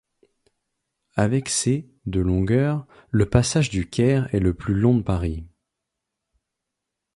Avec ses de longueur, le passage du Caire est le plus long de Paris.